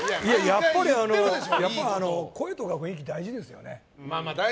やっぱり、声とか雰囲気は大事ですよね。